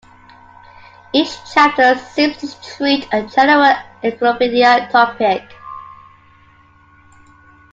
Each chapter seems to treat a general encyclopedic topic.